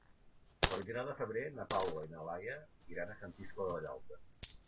El vint-i-nou de febrer na Paula i na Laia iran a Sant Iscle de Vallalta.